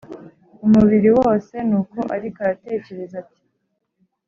mumubiri wose nuko ariko aratekereza ati